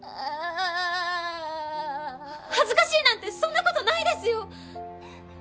恥ずかしいなんてそんな事ないですよ！